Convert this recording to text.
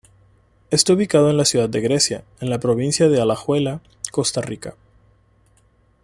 Está ubicado en la ciudad de Grecia, en la provincia de Alajuela, Costa Rica.